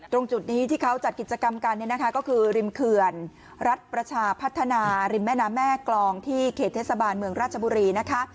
ตรงจุดนี้ที่เขาจัดกิจกรรมกันเนี่ยนะคะก็คือริมเขื่อนรัฐประชาพัฒนาริมแม่น้ำแม่กรองที่เขตเทศบาลเมืองราชบุรีนะคะ